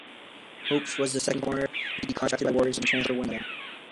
Hopes was the second foreigner to be contracted by Warriors in the transfer window.